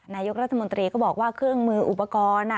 นายกรัฐมนตรีก็บอกว่าเครื่องมืออุปกรณ์